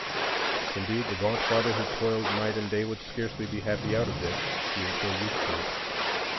Indeed, the gaunt father who toiled night and day would scarcely be happy out of debt, being so used to it.